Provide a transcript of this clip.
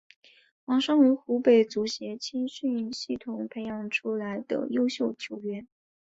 王霜为湖北足协青训系统培养出来的优秀球员。